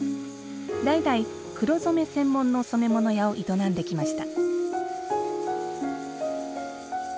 代々、黒染め専門の染め物屋を営んできました。